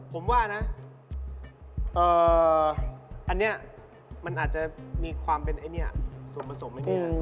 ผมว่านะอันนี้มันอาจจะมีความเป็นไอ้เนี่ยส่วนผสมอันนี้นะ